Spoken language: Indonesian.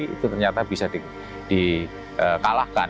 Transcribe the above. itu ternyata bisa dikalahkan